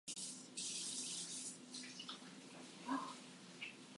Some officers held hands and prayed with protesters.